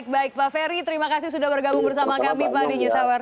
baik pak ferry terima kasih sudah bergabung bersama kami di news hour